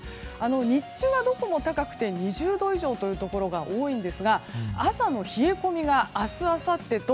日中はどこも高くて２０度以上のところが多いんですが朝の冷え込みが明日、あさってと